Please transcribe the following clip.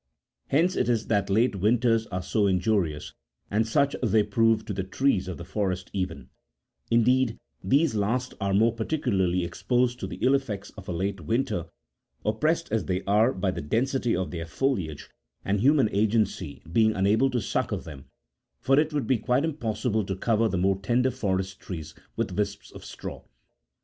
Hence it is that late winters are so injurious, and such they prove to the trees of the forest even ; indeed, these last are more particularly exposed to the ill effects of a late winter, oppressed as they are by the density of their foliage, and human agency being unable to succour them ; for it would be quite impossible to cover23 the more tender forest trees with wisps of straw.